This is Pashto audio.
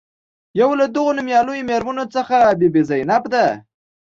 یو له دغو نومیالیو میرمنو څخه بي بي زینب ده.